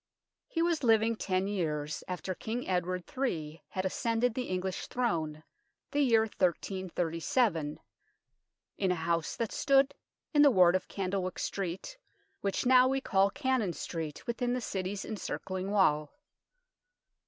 He was living ten years after King Edward III. had ascended the English throne the year 1337 in a house that stood in the ward of Candlewyck Street, which now we call Cannon Street, within the City's encircling wall.